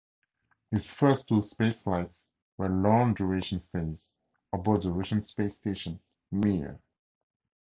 His first two spaceflights were long-duration stays aboard the Russian space station "Mir".